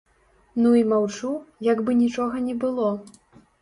Ну і маўчу, як бы нічога не было.